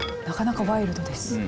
なかなかワイルドです。